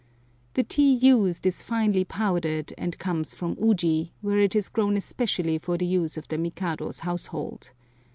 The tea used is finely powdered and comes from Uji, where it is grown especially for the use of the Mikado's household.